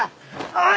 おい！